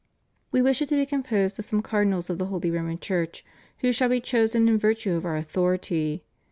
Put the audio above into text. We wish it to be composed of some cardinals of the Holy Roman Church who shall be chosen in virtue of Our authority.